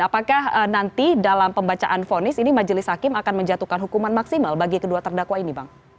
apakah nanti dalam pembacaan fonis ini majelis hakim akan menjatuhkan hukuman maksimal bagi kedua terdakwa ini bang